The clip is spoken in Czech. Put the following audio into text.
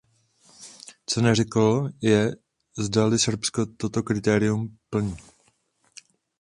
Co neřekl, je, zdali Srbsko toto kritérium plní.